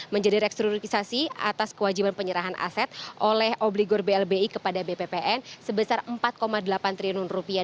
menjadi rekstrukisasi atas kewajiban penyerahan aset oleh obligor blbi kepada bppn sebesar empat delapan triliun rupiah